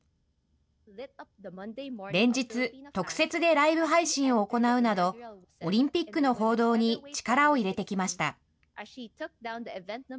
連日、特設でライブ配信を行うなど、オリンピックの報道に力を入れてきました。